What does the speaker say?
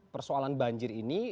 persoalan banjir ini